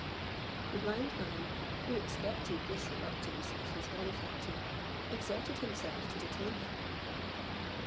The blind man, who expected this reluctance of his benefactor, exerted himself to detain him.